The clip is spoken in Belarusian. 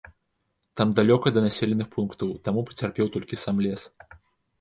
Там далёка да населеных пунктаў, таму пацярпеў толькі сам лес.